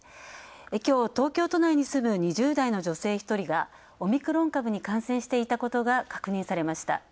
きょう、東京都内住む２０代の女性がオミクロン株に感染していたことが確認されました。